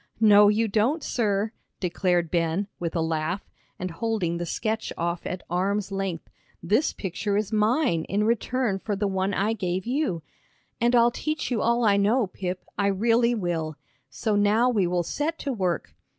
"No, you don't, sir," declared Ben, with a laugh, and holding the sketch off at arm's length; "this picture is mine in return for the one I gave you. And I'll teach you all I know, Pip, I really will. So now we will set to work."